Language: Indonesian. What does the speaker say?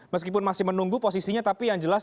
meskipun masih menunggu posisinya tapi yang jelas